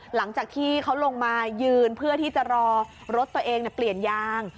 หลังจากที่เขาลงมายืนเพื่อที่จะรอรถตัวเองเปลี่ยนยาง